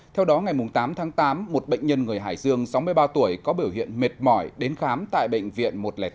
theo đó ngày tám tháng tám một bệnh nhân người hải dương sáu mươi ba tuổi có biểu hiện mệt mỏi đến khám tại bệnh viện một trăm linh tám